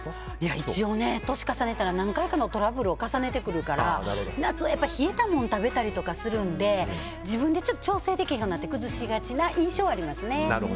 一応、年を重ねたら何回かトラブルを重ねるから夏は冷えたものとか食べたりするので自分で調整できんようなって崩しがちな印象はありますね。